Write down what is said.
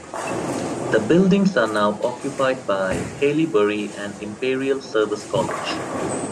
The buildings are now occupied by Haileybury and Imperial Service College.